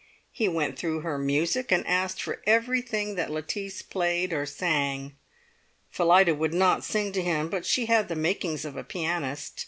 He went through her music, and asked for everything that Lettice played or sang. Phillida would not sing to him, but she had the makings of a pianist.